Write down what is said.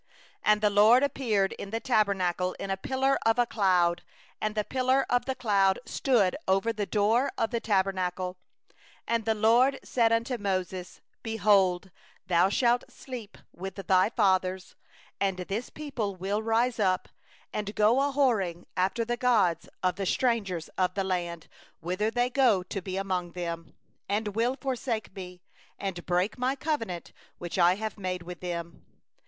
15And the LORD appeared in the Tent in a pillar of cloud; and the pillar of cloud stood over the door of the Tent. 16And the LORD said unto Moses: 'Behold, thou art about to sleep with thy fathers; and this people will rise up, and go astray after the foreign gods of the land, whither they go to be among them, and will forsake Me, and break My covenant which I have made with them.